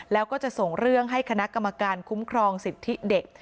แล้วก็จะส่งเรื่องให้คณะกรรมการคุ้มครองสิทธิเด็ก